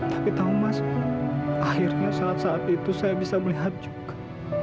tapi thomas akhirnya saat saat itu saya bisa melihat juga